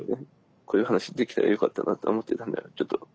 こういう話できたらよかったなと思ってたんでちょっと。